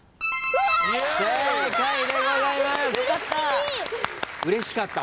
うれしかった。